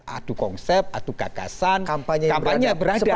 aduk konsep aduk gagasan kampanye beradab